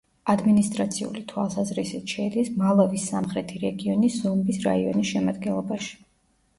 ადმინისტრაციული თვალსაზრისით შედის მალავის სამხრეთი რეგიონის ზომბის რაიონის შემადგენლობაში.